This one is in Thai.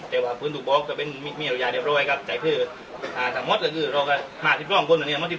แต่ว่าฟื้นถูกบอกจะเป็นมีอรุยาเรียบร้อยครับแต่คือสมมติว่าคือเรามาทิศร่องคนวันนี้